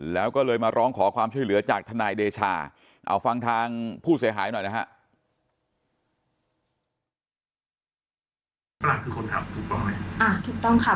แล้วก็เลยมาร้องขอความช่วยเหลือจากทนายเดชาเอาฟังทางผู้เสียหายหน่อยนะฮะ